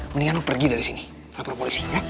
mendingan lu pergi dari sini laporan polisi ya